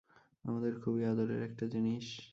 আমাদের খুবই আদরের একটা জিনিস।